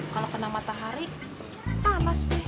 kalau kena matahari panas